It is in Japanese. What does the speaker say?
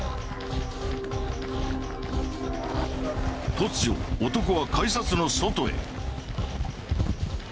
突如男は改札の外へ。